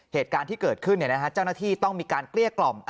เหตุการณ์ที่เกิดขึ้นเจ้าหน้าที่ต้องมีการเกลี้ยกล่อม